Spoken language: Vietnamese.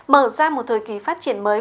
mở ra một thời kỳ phát triển mới